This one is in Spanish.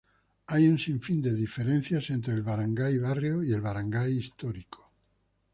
Hay un sinfín de diferencias entre el Barangay barrio y el Barangay histórico.